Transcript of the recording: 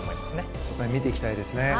そこら辺見ていきたいですね。